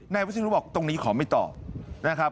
นายวิทยาลูกบอกตรงนี้ขอไม่ตอบนะครับ